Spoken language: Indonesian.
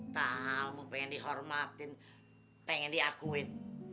tamu pengen dihormatin pengen diakuin